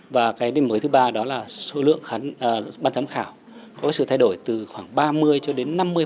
và cái điểm mới thứ ba đó là số lượng ban giám khảo có sự thay đổi từ khoảng ba mươi cho đến năm mươi